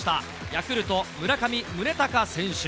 ヤクルト、村上宗隆選手。